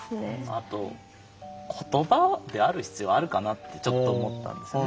あと言葉である必要あるかなと思ったんですよね。